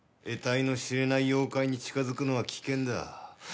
得体の知れない妖怪に近づくのは危険だ。